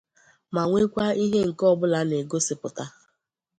ma nwekwa ihe nke ọbụla na-egosipụta